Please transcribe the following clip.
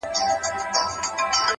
صبر د بېړې تېروتنې کموي؛